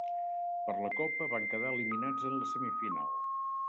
Per la Copa, van quedar eliminats en la semifinal.